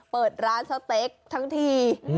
เปิดร้านสเต็กทั้งที